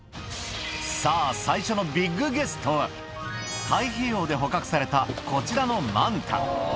さあ、最初のビッグゲストは、太平洋で捕獲されたこちらのマンタ。